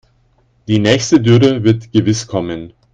Die nächste Dürre wird gewiss kommen.